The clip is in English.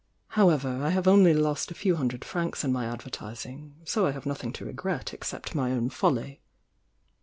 However, I have only lost a few hundred francs in my advertising— so I have nothing to regret except my own folly."